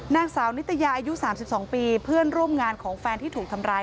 นางสาวนิตยาอายุ๓๒ปีเพื่อนร่วมงานของแฟนที่ถูกทำร้าย